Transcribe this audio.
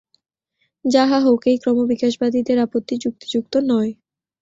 যাহা হউক, এই ক্রমবিকাশবাদীদের আপত্তি যুক্তিযুক্ত নয়।